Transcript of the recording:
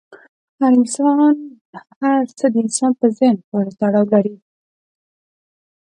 هر څه د انسان په ذهن پورې تړاو لري.